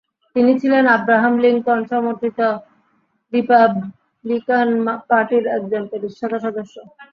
তিনি ছিলেন আব্রাহান লিঙ্কন সমর্থিত রিপাবলিকান পার্টির একজন প্রতিষ্ঠাতা সদস্য।